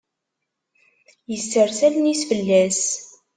Isers allen-is fell-as.